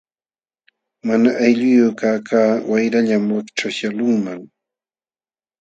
Mana aylluyuq kaqkaq wayrallam wakchaśhyaqlunman.